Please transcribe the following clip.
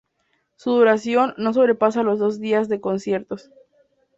Su duración no sobrepasa los dos días de conciertos.